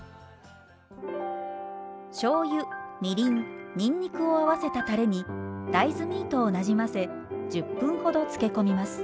しょうゆみりんにんにくを合わせたたれに大豆ミートをなじませ１０分ほどつけ込みます。